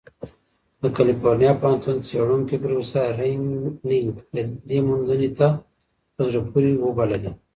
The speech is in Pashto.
د کلیفورنیا پوهنتون څېړونکی پروفیسر رین نګ دې موندنې ته "په زړه پورې" وبللې.